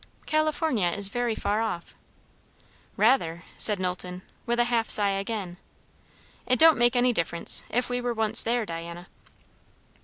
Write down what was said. "California is very far off." "Rather," said Knowlton, with a half sigh again. "It don't make any difference, if we were once there, Diana."